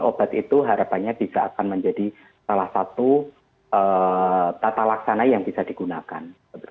obat itu harapannya bisa akan menjadi salah satu tata laksana yang bisa digunakan